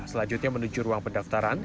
selanjutnya menuju ruang pendaftaran